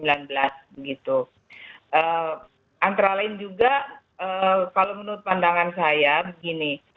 antara lain juga kalau menurut pandangan saya begini